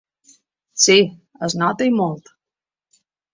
Sí, es nota, i molt.